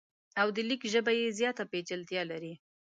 او د لیک ژبه یې زیاته پیچلتیا لري.